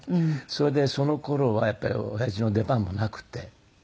それでその頃はやっぱり親父の出番もなくて。